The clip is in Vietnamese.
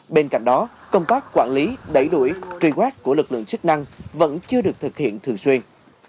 bên cạnh đó công tác quản lý đẩy đuổi truy quét của lực lượng chức năng vẫn chưa được thực hiện thường xuyên